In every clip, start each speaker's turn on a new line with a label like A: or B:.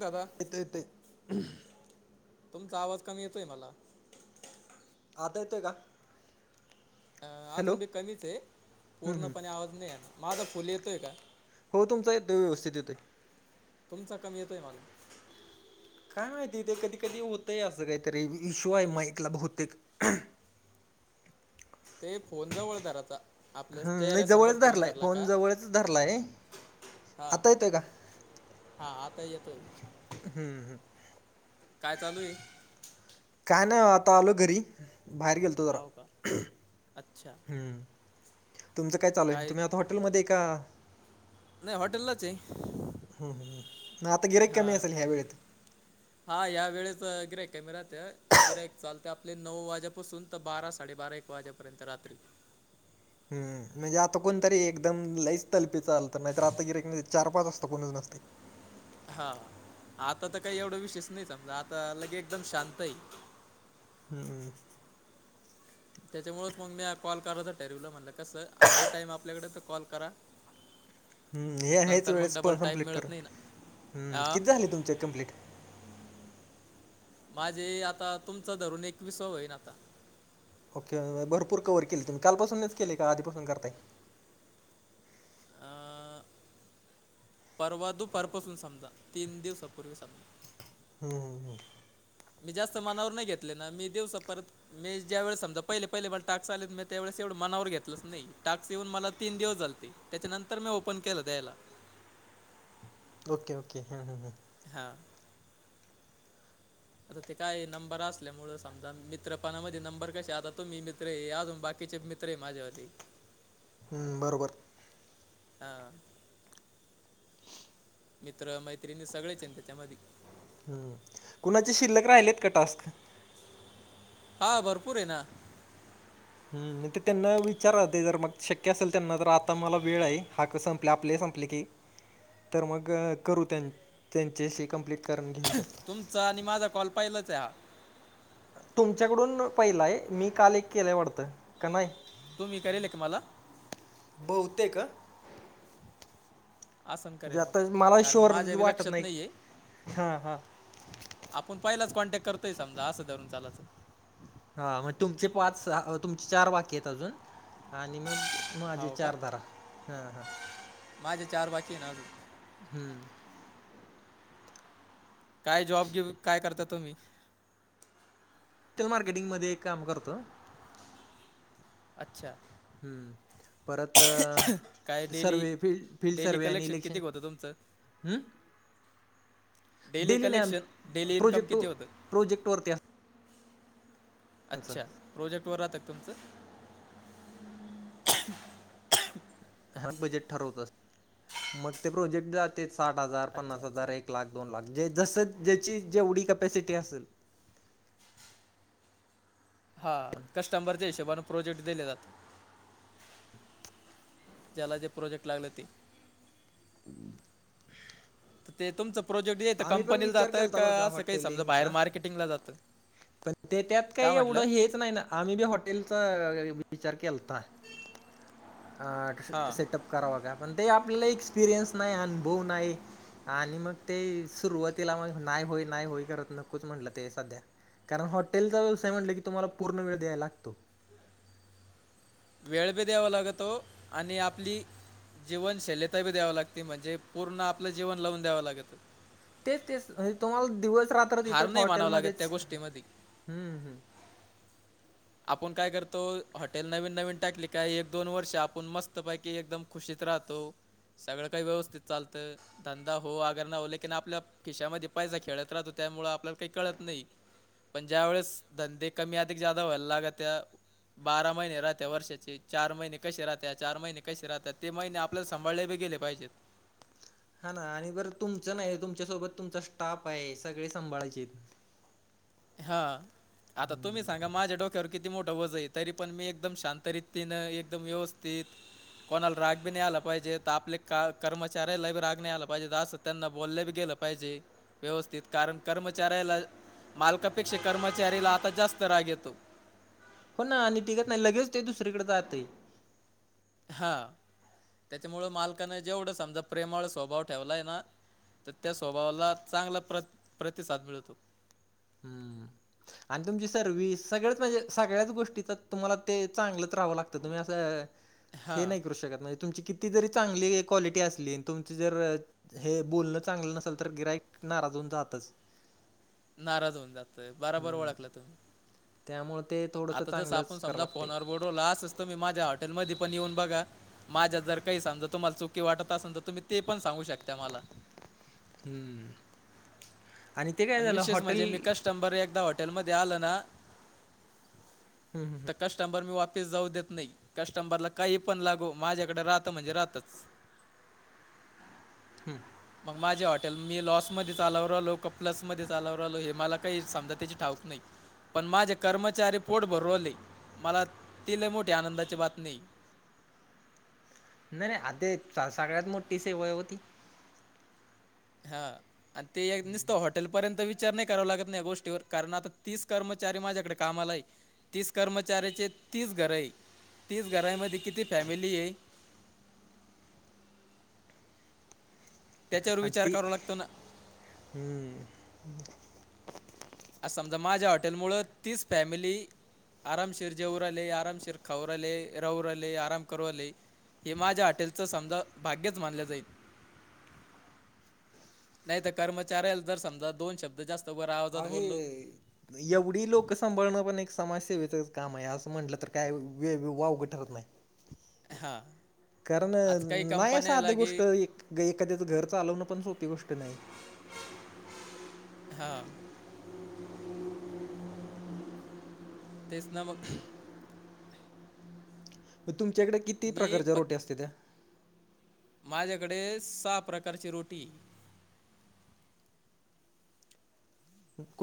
A: दादा.
B: येतोय येतोय.
A: तुमचा आवाज कमी येतोय मला.
B: आता येतोय का?
A: अ
B: हॅलो
A: अजून बी
B: हम्म
A: कमीच आहे, पूर्णपणे आवाज नाही आला माझा फुल येतोय का.
B: हो तुमचा येतोय, व्यवथित येतोय.
A: तुमचा कमी येतोय मला.
B: काय माहिती ते कधी कधी होतय असं, काही तरी इशू आहे माईकला बहुतेक.
A: ते फोन जवळ धराचा. आपल्या
B: हम् मी
A: चेहऱ्यासमोर
B: जवळच धरलाय,
A: धरला
B: फोन
A: का
B: जवळचच धरलाय
A: हां
B: आता येतोय का.
A: हां. आता येतोय.
B: हम्म.
A: काय चालू आहे?
B: काय नाय ओ आता आलो घरी बाहेर गे
A: हाव का अच्छा.
B: हम्म तुमचं काय चालूय, तुम्ही आता हॉटेलमध्ये का.
A: नाही हॉटेललाच आहे
B: हम्म हम्. म आता गिराइक कमी असेल ह्या वेळेत.
A: हा या वेळेच ग्रे कॅमेराते गिराक चालते आपले नऊ वाज्यापासून बारा साडेबारा एक वाजेपर्यंत रात्री
B: हम्म म्हणजे आता कोणतरी एकदम लईच तलपीच आल तर नाहीतर आता गिर चार पाच वाजता कोणच नसतंय.
A: हा आता तर काही एवढं विशेष नाही समजा आता लगे एकदम शांत आहे.
B: हम्म.
A: त्याच्यामुळे मग मिया कॉल करायचं ठरवलं म्हणलं कसं आहे टाइम आपल्याकडे तर कॉल करा [inaudible] [unintelligible]
B: हम हे आहेच
A: नंतर मग
B: वेळेस प
A: डबल टाईम
B: कमप्लीट कर
A: मिळत नाही ना
B: हम
A: हा
B: किती झाले तुमचे कम्प्लीट?
A: माझे आता तुमचं धरून एकवीसव होईन आता.
B: ओके भरपूर कववर केले तुम्ही. कालपासूनच केले का, आधीपासून करताय?
A: अं, परवा दुपारपासून समजा तीन दिवसापूर्वी समजा.
B: हम् हम
A: मी जास्त मनावर नाही घेतले ना मी दिवसा परत मी ज्यावेळी समजा पहिले पहिले मला टाक्स आलेत मी त्यावेळेस एवढं मनावर घेतलंच नाही टाक्स येऊन मला तीन दिवस झालते. त्याच्यानंतर मी ओपन केलं द्यायला.
B: ओके ओके हम्म हम्म हम्म.
A: हा. ते काय आहे नंबर असल्यामुळे समजा मित्रपणामध्ये नंबर कशे आता तुम्ही मित्र हे अजून बाकीचे मि त्रे माझ्यावरती
B: हम्म बरोबर.
A: हां. मित्र मैत्रिणी सगळेच येईन त्याच्यामध्ये.
B: हम्म कुणाचे शिल्लक राहिलेत का टास्क.
A: हा भरपूर हाय ना.
B: हम्म ते त्यांना विचारा ते जर मग शक्य असेल त्यांना तर आता मला वेळ आहे हाक संपले आपले संप पले तर मग करू त्यां त्यांच्याशी कम्प्लीट.
A: तुमचा आणि माझा कॉल पाहिलाच आहे हा.
B: तुमच्याकडून पहिला हाय मी काल एक केलंय वाटतं का नाही.
A: तुम्ही करेल एक मला?
B: बहुतेक ह
A: असं
B: जे
A: करेल मग
B: आता मला
A: कारण
B: श्योर
A: माझ्या बी
B: वाटत
A: लक्षात
B: नाही
A: आहे
B: हा हा.
A: आपण पहिलाच कॉन्टॅक्ट करतोय समजा असं धरून चालाचं.
B: हा म तुमचे पाच सहा तुमचे चार बाकी आहेत अजून आणि मग माझे
A: हाव का
B: चार धरा हा हा
A: माझ्या चार बाकी आहे ना अजून.
B: हम्म.
A: काय जॉब गेप काय करता तुम्ही?
B: टल मार्केटिंगमध्ये एक काम करतो.
A: अच्छा
B: हम्म. परत
A: काय daily
B: survey fill field
A: daily
B: survey आणि
A: कलेक्शन किती
B: इलेक्शन
A: होतं तुमचं
B: हम्म.
A: डेली कलेक्शन
B: नाही
A: डेली इन्कम किती होतं?
B: प्रोजेक्ट वरती
A: अच्छा प्रोजेक्ट वर राहतात तुमचं.
B: हा बजेट ठरवत मग ते प्रोजेक्ट जाते साठ हजार
A: अच्छा
B: पन्नास
A: अच्छा
B: हजार एक एक लाख दोन लाख जे जस ज्याची जे एवढी कपॅसिटी असेल
A: हा कस्टंबरच्या हिशेबाने प्रोजेक्ट दिले जातात. ज्याला जे प्रोजेक्ट लागले ती.
B: [inaudible]
A: ते तुमचं प्रोजेक्ट येता
B: आम्ही पण
A: कंपनीला
B: विचार
A: जातं
B: केलता बरं
A: का बाहेर असं
B: हॉटेलिंगचा
A: मार्केटींग ला जातं
B: पण ते त्यात
A: का
B: काय
A: म्हटलं
B: एवढं हेच नाही ना आम्ही बी हॉटेलचा विचार केलता हा
A: हां
B: सेटअप करावा का पण ते आपल्याला एक्सपिरियन्स नाही अनुभव नाही आणि मग ते सुरुवातीला मग नाय होय नाय होय करत नकोच म्हटलं ते सध्या कारण हॉटेलचा व्यवसाय म्हटलं की तुम्हाला पूर्ण वेळ द्यायला लागतो
A: वेळ बी द्यावा लागतो आणि आपली जीवनशल्यता बी द्याव लागते म्हणजे पूर्ण आपलं जीवन लावून द्यावं लागल.
B: तेच तेच म्हणजे दिवस-रात्र तुम्हाला
A: हार
B: तिथेच
A: नाही मानावं लागत त्या
B: हॉटेलमध्येच
A: गोष्टीमध्ये
B: हम हम.
A: आपण काय करतो हॉटेल नवीन नवीन टाकली की काय एक दोन वर्ष आपण मस्तपैकी एकदम खुशीत राहतो सगळं काही व्यवस्थित चालतं. धंदा हो आगर न हो लेकन आपल्या खिशामध्ये पैसा खेळत राहतो त्यामुळे आपल्याला काही कळत नाही पण ज्या वेळेस धंदे कमी अधिक जादा व्हाय लागत त्या बारा महिने राहते वर्षाचे चार महिने कसे राहते चार महिने कसे राहते ते महिने आपल्या सांभाळले बी गेले पाहिजेत
B: हा ना आणि बरं तुमचं नाही तुमच्यासोबत तुमचा स्टाफ आहे सगळी सांभाळायचेत
A: हा आता तुम्ही
B: हम्म
A: सांगा माझ्या डोक वर किती मोठं वजन आहे तरी मी एकदम शांत एकदम व्यवस्थित कोणाला राग बी नाही आला पाहिजे तर आपल्या का कर्मचाऱ्याला बी राग नाही आला पाहिजे अस त्यांना बोललं बी गेलं पाहिजे व्यवस्थित कारण कर्मचाऱ्याला मालकापेक्षा कर्मचारीला आता जास्त राग येतो.
B: हो ना आणि टिगत नाही लगेच ते दुसरीकडे जातय
A: हा त्याच्यामुळे मालकांना जेवढा समजा प्रेमाळू स्वभाव ठेवलाय ना तर त्या स्वभावाला चांगला प्र प्रतिसाद मिळतो
B: हम्म आणि तुमची सर्व्हस सगळ्याच म्हणजे सगळ्याच गोष्टी तर तुम्हाला ते चांगलंच राहावं लागतं तुम्ही असं हे
A: हां
B: नाही करू शकत म्हणजे तुमची किती जरी चांगली क्वालिटी असली तुमची जर हे बोलणं चांगलं नसेल तर गिराईक नाराज होऊन जातच.
A: नाराज होऊन जातं बराबर
B: हम्म
A: ओळखलं तू
B: त्यामुळे ते थोडंस चांगलंच कराव लागते
A: हो असंच तुम्ही एकदा माझ्या हॉटेलमध्ये पण येऊन बघा. माझ्या जर काही समजा तुम्हाला चुकी वाटत असेल तर तुम्ही ते पण सांगू शकता मला.
B: हम्म आणि ते काय झालं
A: विशेष
B: हॉटेल
A: म्हणजे [unintelligible] एकदा हॉटेलमध्ये आलं ना
B: हम हं हम [unintelligible]
A: तर कस्टमर मी वापिस जाऊ देत नाही. कस्टमरला काही पण लागू माझ्याकडे राहत म्हणजे राहतच.
B: हम्म
A: मग माझे हॉटेल मी लॉस मध्ये चालव राहिलो का प्लस मध्ये चालव राहिलो हे मला समजा काय त्याची ठाऊक नाहय पण माझे कर्मचारी पोट भरू राहिले मला ती लय मोठी आनंदाची बातमी हाय.
B: नाय नाय सगळ्यात मोठी सेवा हाय ओ ती
A: हा आणि ते नुसत हॉटेलपर्यंत वि विचार नाय करावा लागत न या गोष्टीवर कारण आता तीस कर्मचारी माझ्याकडे कामाला हाय. तीस कर्मचाऱ्याचे तीस घर आहे तीस घरामध्ये किती फॅमिली आहे त्याच्यावर
B: अ
A: विचार
B: ती
A: करावा लागतो ना
B: हम्म [unintelligible]
A: आता समजा माझ्या हॉटेल मुळ तीस फॅमिली. आरामशीर जेवू लागले आरामशीर खाऊ लागले राहू लागले आराम करू राहिले. हे माझ्या हॉटल च समजा भाग्यच मानल जाईल. नाही तर कर्मचाऱ्याला जर समजा दोन शब्द जास्त. वर आवाजात
B: आहे.
A: बोललो
B: येवढी लोक सांभाळणं पण एक समाज सेवेच काम आहे. असं म्हंटलं तर काय वेग वावगं ठरत नाही.
A: हा.
B: कारणं नाही साध गोष्ट, एक एखाद्याच घर चालवणं पण सोपी गोष्ट नाही.
A: हां. तेच ना मगं.
B: तुमच्याकड किती
A: मी
B: प्रकारच्या
A: पक
B: रोटी असत्याता.
A: माझ्याकडे सहा प्रकारची रोटीये.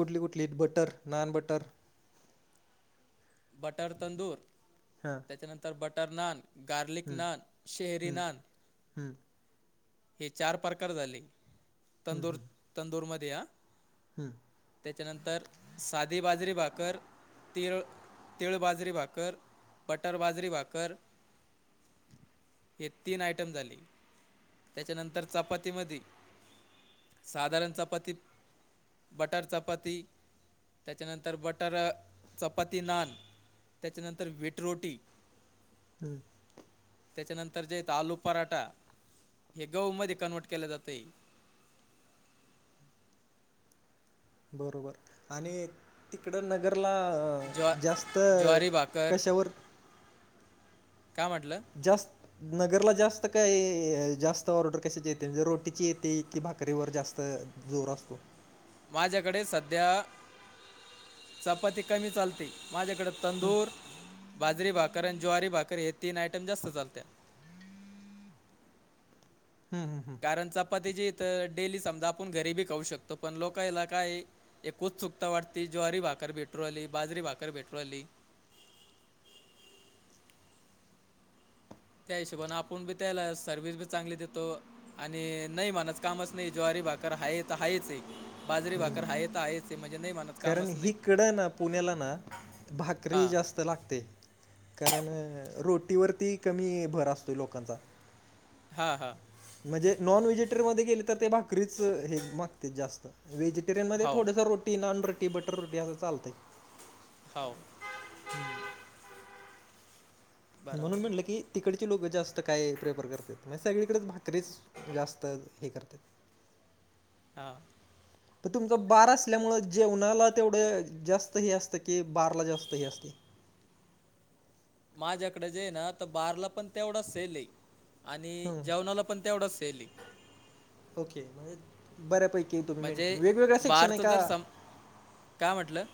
B: कुठली कुठली एक butter naan butter.
A: Butter tandoor.
B: हां.
A: तेच्याच्या नंतर बटर नान, गार्लिक
B: हम्म
A: नान, शेहरी
B: हम्म
A: नान.
B: हम्म
A: हे चार प्रकार झाले,
B: हम्म
A: तंदूर,
B: हम्म
A: तंदूर मध्ये हा.
B: हम्म.
A: त्याच्या नंतर साधी बाजरी भाकर तीळ. तिळ बाजरी भाकर बटर बाजरी भाकर. हे तीन आयटम झाले. त्याच्या नंतर चपाती मध्ये साधारण चपाती. बटर चपाती त्याच्या नंतर बटरं चपाती नान. त्याच्या नंतर व्हीट रोटी.
B: [inaudible]
A: त्याच्या नंतर जे येत आलू पराठा. हे गहू मध्ये कन्व्हर्ट केले जातय.
B: बरोबर आणि तिकडं नगरला
A: ज्वा
B: अ जास्त
A: ज्वारी भाकर
B: कशावर?
A: काय म्हटलं,
B: जास्त. नगरला जास्त काय जास्त ऑर्डर कशाची येते, रोटीची येते की भाकरीवर जास्त. जोर असतो.
A: माझ्याकडे सध्या चपाती कमी चालते. माझ्याकड तंदूर, बाजरी, भाकर आणि ज्वारी भाकरी हे तीन आयटम जास्त चालत्या.
B: हम् हम.
A: कारण चपाती जेइथ डेली समजा आपण घरीबी खहू शकतो पण लोकयला काय. एक उत्सुकता वाटती ज्वारी भाकर भेटू राली बाजरी भाकर भेटू राली. त्या हिशोबान आपण बी त्याला सर्विस बी चांगली देतो. आणि नाही माणस कामच नाही ज्वारी भाकर हायेत आहेाच आहे बाजरी भाकर
B: हम्म
A: हायेत आहेच. ते म्हणजे नाही मानत.
B: कारण हिकडं ना, पुण्याला ना भाकरी
A: हां
B: जास्त लागते. कारण रोटीवरती, कमी भर असतोय लोकांचा.
A: [inaudible]
B: म्हणजे नॉन व्हेजिटेरी मध्ये गेले तर ते भाकरीच हे मागते जास्त. व्हेजिटेरियन मध्ये
A: हो
B: थोडस रोटी नाॅन, रोटी बटर रोटी असं चालतंय.
A: हाव.
B: [inaudible]
A: बरोबर
B: म्हणून
A: आहे
B: म्हणलं की. तिकडचे लोकं जास्त काय प्रेफर करत्यात, म्हणजे सगळीकडेच भाकरीच जास्त हे करतात.
A: हां.
B: तर तुमच बार असल्यामुळे, जेवणाला तेवढं जास्त हे असतं की बारला जास्त हे असते.
A: माझ्याकडे जे आहे ना तर बारला पण तेवढाच सेल आणि
B: हं
A: जेवणाला. पण तेवढाच सेले
B: ओके. बऱ्यापैकी तुम्ही
A: म्हणजे
B: मेंटेन, वेगवेगळ शिक्षण आहे
A: बारचं
B: का‌
A: जर सम काय म्हटलं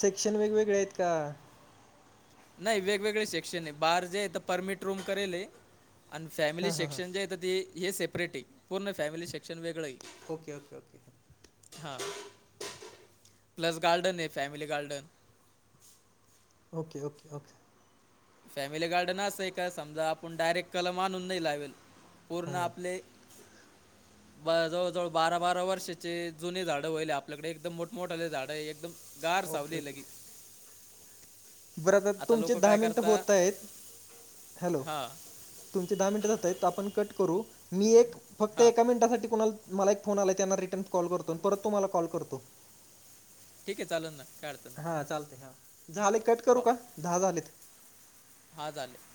B: सेक्शन वेगवेगळे आहेत का?
A: नाही वेगवेगळे सेक्शन आहे, बार जे आहे तर परमिट रूम करेले. आणि फॅमिली
B: हां हां हां
A: सेक्शन जे येतं ते हे सेपरेट आहे. पूर्ण फॅमिली सेक्शन वेगळं आहे.
B: Okay okay okay.
A: हां.. प्लस गार्डन आहे, family garden.
B: Okay okay okay.
A: Family garden असं आहे का, समजा आपण डायरेक्ट कलम आणून नाही लावेल. पूर्ण
B: हां
A: आपले. जवळजवळ बारा बारा वर्षांची जुनी झाडं व्हालय आपल्याकडे एकदम मोठमोठ्याले झाड एक. एकदम गार
B: ओके
A: सावली
B: ओके
A: लगी.
B: बरं तर
A: आता
B: तुमचे
A: लोक
B: दहा
A: काय
B: मिनट
A: करता
B: होत आहेत, हॅलो.
A: हां
B: तुमचे दहा मिनिटं जात आहेत, आपण कट करू मी एक फक्त
A: हां
B: एका मिनिटासाठी कोणाला. मला एक फोन आला त्यांना, रिटर्न कॉल करतो परत तुम्हाला कॉल करतो.
A: ठीक आहे चालेल ना काय अडचण
B: हां.
A: नाही
B: चालत हा, झाले कट करू
A: हो
B: का, दहा झालेत.
A: हा झाले.